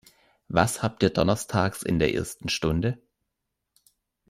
Was habt ihr donnerstags in der ersten Stunde?